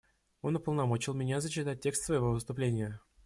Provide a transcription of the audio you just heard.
Он уполномочил меня зачитать текст своего выступления.